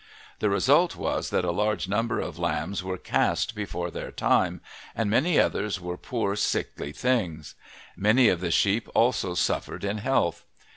The result was that a large number of lambs were cast before their time and many others were poor, sickly things; many of the sheep also suffered in health.